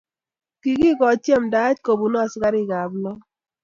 kikikochi yamtaet kubunu askarikab laak.